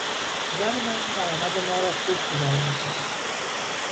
زن من درآمد ما را خوب اداره میکند.